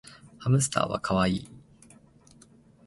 ハムスターはかわいい